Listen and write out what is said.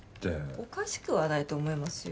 おかしくはないと思いますよ。